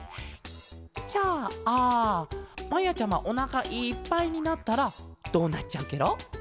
じゃあまやちゃまおなかいっぱいになったらどうなっちゃうケロ？